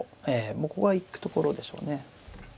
ええもうここは行くところでしょうね。